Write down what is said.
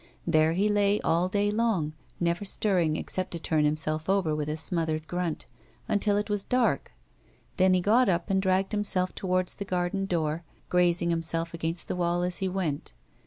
There he lay all day long, never stirring, except to turn himself over with a smothered grunt, until it was dark ; then he got up and dragged himself towards the garden door grazing himself against the wall as he went.